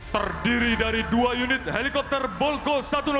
terdiri dari dua unit helikopter bolko satu ratus lima